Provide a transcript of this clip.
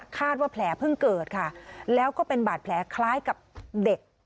ว่าแผลเพิ่งเกิดค่ะแล้วก็เป็นบาดแผลคล้ายกับเด็ก